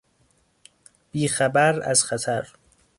بی خبر از خطر